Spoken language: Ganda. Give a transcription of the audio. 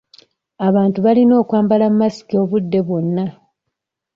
Abantu balina okwambala masiki obudde bwonna.